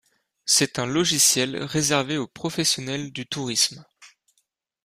C'est un logiciel réservé aux professionnels du tourisme.